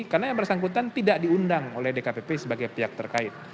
karena yang bersangkutan tidak diundang oleh dkpp sebagai pihak terkait